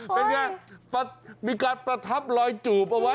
เป็นไงมีการประทับลอยจูบเอาไว้